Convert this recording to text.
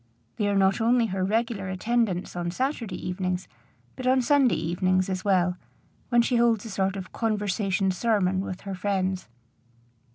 They are not only her regular attendants on Saturday evenings, but on Sunday evenings as well, when she holds a sort of conversation sermon with her friends.